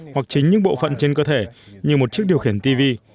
hoặc chính những bộ phận trên cơ thể như một chiếc điều khiển tv